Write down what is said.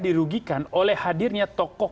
dirugikan oleh hadirnya tokoh